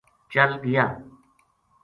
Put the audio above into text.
چل گیا